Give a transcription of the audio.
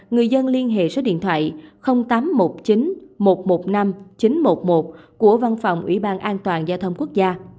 người dân liên hệ số điện thoại tám trăm một mươi chín một trăm một mươi năm chín trăm một mươi một của văn phòng ủy ban an toàn giao thông quốc gia